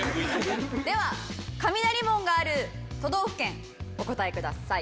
では雷門がある都道府県お答えください。